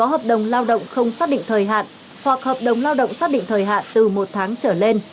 hợp đồng lao động không xác định thời hạn hoặc hợp đồng lao động xác định thời hạn từ một tháng trở lên